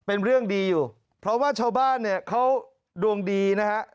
เป็นเรื่องดีอยู่เพราะว่าชาวบ้านเนี่ยเขาดวงดีนะฮะ